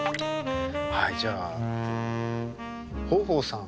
はいじゃあ豊豊さん